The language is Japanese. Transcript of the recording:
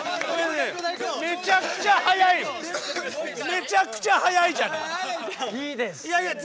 めちゃくちゃ速いじゃない。